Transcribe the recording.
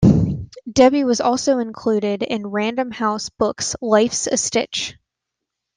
Debi was also included in Random House books' Life's a Stitch.